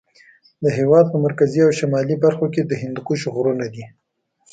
د هېواد په مرکزي او شمالي برخو کې د هندوکش غرونه دي.